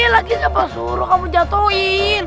lagi siapa suruh kamu jatuhin